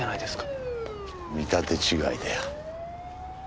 見立て違いだよ。